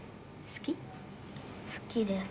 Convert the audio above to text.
「好きです」